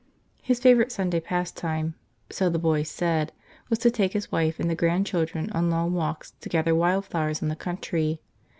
His favorite Sunday pastime, so the boys said, was to take his wife and the grandchildren on long walks to gather wild flowers in the country.